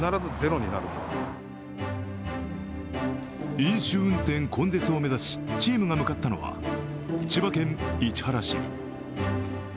飲酒運転根絶を目指しチームが向かったのは千葉県市原市。